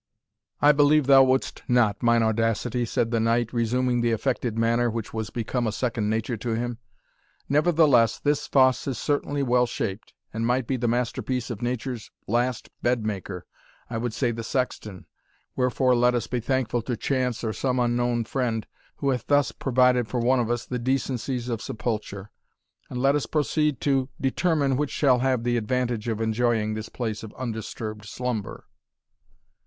"I believe thou wouldst not, mine Audacity," said the knight, resuming the affected manner which was become a second nature to him; "nevertheless this fosse is curiously well shaped, and might be the masterpiece of Nature's last bed maker, I would say the sexton Wherefore, let us be thankful to chance or some unknown friend, who hath thus provided for one of us the decencies of sepulture, and let us proceed to determine which shall have the advantage of enjoying this place of undisturbed slumber."